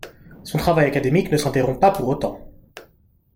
Son travail académique ne s'interrompt pas pour autant.